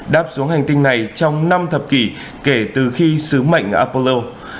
đáp xuống hành tinh này trong năm thập kỷ kể từ khi sứ mệnh apollo